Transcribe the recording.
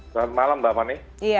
selamat malam mbak manny